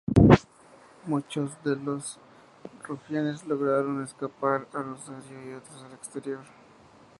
Muchos de los rufianes lograron escapar a Rosario y otros al exterior.